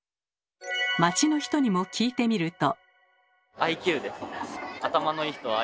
街の人にも聞いてみると。